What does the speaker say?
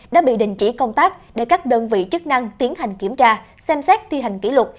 đã bị đình chỉ công tác để các đơn vị chức năng tiến hành kiểm tra xem xét thi hành kỷ luật